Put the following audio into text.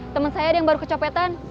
teman saya ada yang baru kecopetan